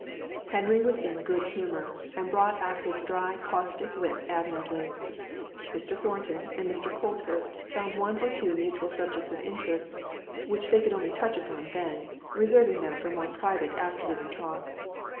Henry was in good humour, and brought out his dry caustic wit admirably. Mr. Thornton and Mr. Colthurst found one or two mutual subjects of interest, which they could only touch upon then, reserving them for more private after dinner talk.